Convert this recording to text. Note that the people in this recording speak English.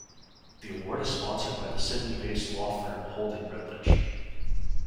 The award is sponsored by the Sydney based law firm Holding Redlich.